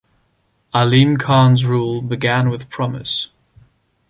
Alim Khan's rule began with promise.